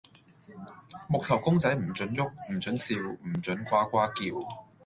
木頭公仔唔准郁，唔准笑，唔准呱呱叫